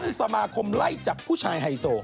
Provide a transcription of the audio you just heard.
ตั้งสมาคมไล่จากผู้ชายไฮโซ